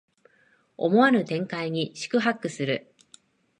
思わぬ展開に四苦八苦する